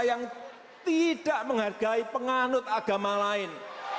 yang tidak menghargai penganut agama lain